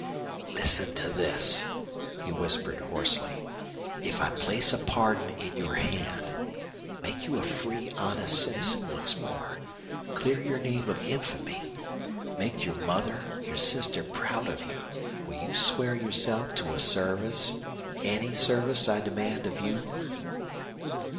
"Listen to this," he whispered, hoarsely. "If I place a pardon in your hand make you a free, honest citizen once more, clear your name of infamy, make your mother, your sister proud of you will you swear yourself to a service, ANY service I demand of you?"